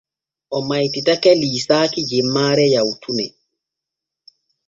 O maytitake liisaaki jemmaare yawtune.